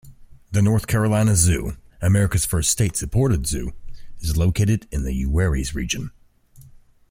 The North Carolina Zoo, America's first state-supported zoo, is located in the Uwharries region.